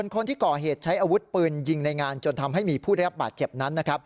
คนที่ก่อเหตุใช้อาวุธปืนยิงในงานจนทำให้มีผู้ได้รับบาดเจ็บนั้นนะครับ